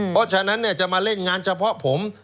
เพราะฉะนั้นจะมาเล่นงานเฉพาะผม